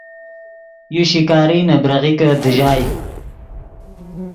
یو شکاری نے بریغیکے دیژائے